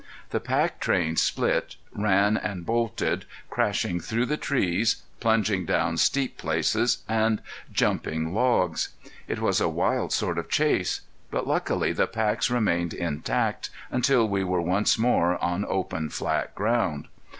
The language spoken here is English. The pack train split, ran and bolted, crashing through the trees, plunging down steep places, and jumping logs. It was a wild sort of chase. But luckily the packs remained intact until we were once more on open, flat ground.